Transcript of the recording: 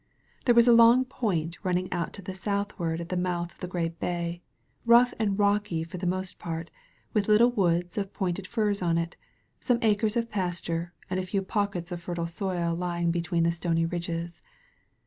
There was a long point running out to the south ward at the mouth of the great bay, rough and rocky {or the most part, with little woods of pointed firs on it, some acres of pasture, and a few pockets of fertile soil lying between the stony ridges.